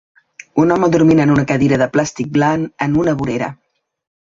Un home dormint en una cadira de plàstic blanc en una vorera